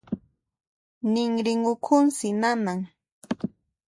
Ninrin ukhunsi nanan.